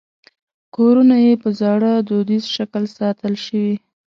کورونه یې په زاړه دودیز شکل ساتل شوي.